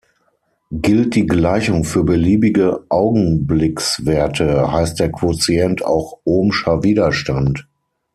Gilt die Gleichung für beliebige Augenblickswerte, heißt der Quotient auch "ohmscher Widerstand".